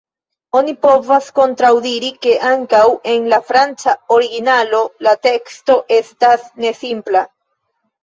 Oni povas kontraŭdiri, ke ankaŭ en la franca originalo la teksto estas ne simpla.